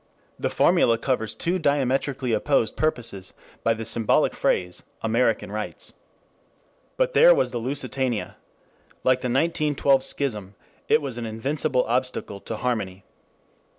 The formula covers two diametrically opposed purposes by the symbolic phrase "American rights." But there was the Lusitania. Like the 1912 schism, it was an invincible obstacle to harmony.